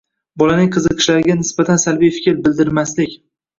Bolaning qiziqishlariga nisbatan salbiy fikr bildirmaslik.